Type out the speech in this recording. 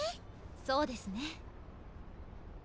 そうですね。